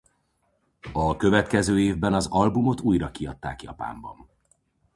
A következő évben az albumot újra kiadták Japánban.